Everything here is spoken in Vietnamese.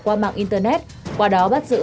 qua mạng internet qua đó bắt giữ